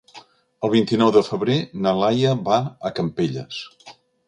El vint-i-nou de febrer na Laia va a Campelles.